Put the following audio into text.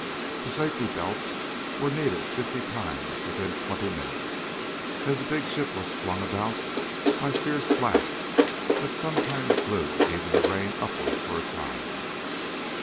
The safety belts were needed fifty times within twenty minutes, as the big ship was flung about by fierce blasts that sometimes blew even the rain upward for a time.